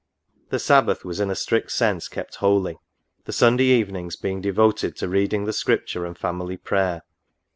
The Sabbath was in a strict sense kept holy ; the Sunday evenings being devoted to reading the Scripture and family prayer.